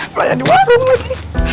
pelayan di warung lagi